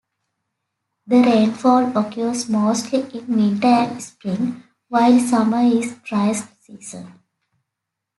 The rainfall occurs mostly in winter and spring, while summer is driest season.